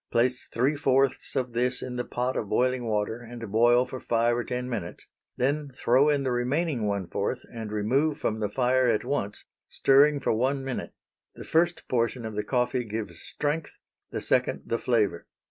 Place three fourths of this in the pot of boiling water and boil for five or ten minutes; then throw in the remaining one fourth and remove from the fire at once, stirring for one minute. The first portion of the coffee gives strength, the second the flavor.